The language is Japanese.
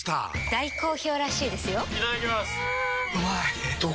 大好評らしいですよんうまい！